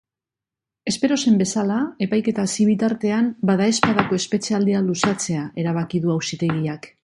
Espero zen bezala, epaiketa hasi bitartean badaezpadako espetxealdia luzatzea erabaki du auzitegiak.